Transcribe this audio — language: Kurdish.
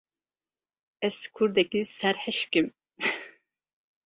Ez kurdekî serhişk im.